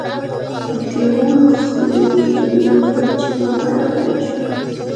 د تیغونو خولې د وینو پر چینو برابرې شوې.